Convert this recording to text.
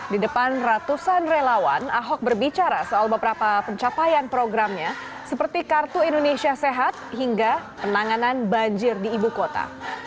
di depan ratusan relawan ahok berbicara soal beberapa pencapaian programnya seperti kartu indonesia sehat hingga penanganan banjir di ibu kota